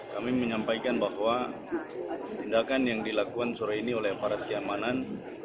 kami menyampaikan bahwa tindakan yang dilakukan sore ini oleh aparat keamanan